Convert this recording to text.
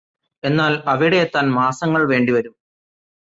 എന്നാല് അവിടെ എത്താൻ മാസങ്ങൾ വേണ്ടിവരും